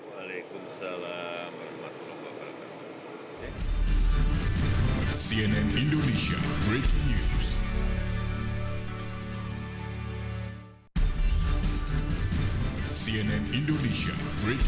waalaikumsalam warahmatullahi wabarakatuh